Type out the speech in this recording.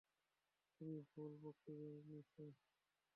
তুমি ভুল পক্ষ বেছে নিয়েছ।